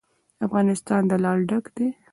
افغانستان له لعل ډک دی.